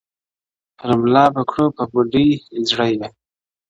پر ملا به کړوپه بوډۍ زړه یې -